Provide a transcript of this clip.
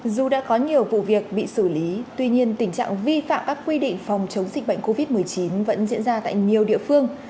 dù đã có nhiều vụ việc bị xử lý tuy nhiên tình trạng vi phạm các quy định phòng chống dịch bệnh covid một mươi chín vẫn diễn ra tại nhiều địa phương